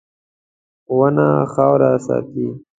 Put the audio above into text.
• ونه خاوره ساتي.